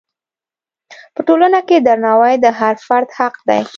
په ټولنه کې درناوی د هر فرد حق دی.